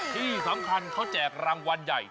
ที่สำคัญเขาแจกรางวัลใหญ่